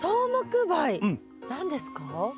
何ですか？